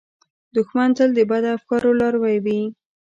دښمن تل د بدو افکارو لاروي وي